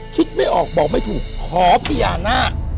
คิดไม่ออกบอกไม่ถูกขอพญานาค